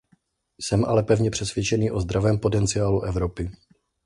Jsem ale pevně přesvědčený o zdravém potenciálu Evropy.